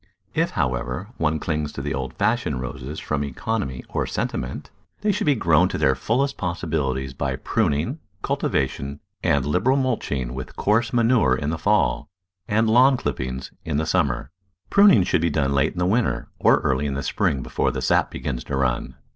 If, however, one clings to the old fashioned Roses from economy or sentiment, they should be grown to their fullest possibilities by pruning, cultivation, and liberal mulching with coarse manure in the fall, and lawn clippings in the summer. Pruning should be done late in the winter or early in the spring before the sap begins to run.